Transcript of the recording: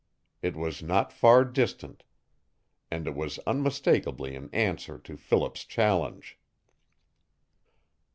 It was not far distant. And it was unmistakably an answer to Philip's challenge.